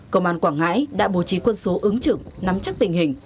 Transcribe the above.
công an quảng ngãi đã bố trí quân số ứng trưởng nắm chắc tình hình